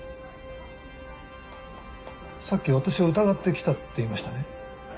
さっき私を疑って来たって言いましたね？